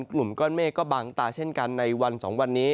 กลุ่มก้อนเมฆก็บางตาเช่นกันในวัน๒วันนี้